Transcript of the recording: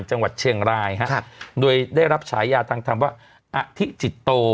จังหวัดเชียงรายครับโดยได้รับฉายาทางธรรมว่าอธิจิตโต